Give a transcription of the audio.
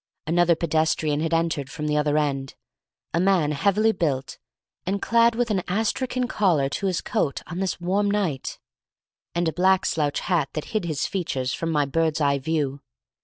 Another pedestrian had entered from the other end, a man heavily built and clad, with an astrakhan collar to his coat on this warm night, and a black slouch hat that hid his features from my bird's eye view.